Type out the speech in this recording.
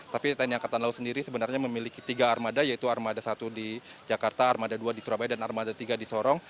tapi tni angkatan laut sendiri sebenarnya memiliki tiga armada yaitu armada satu di jakarta armada dua di surabaya dan armada tiga di sorong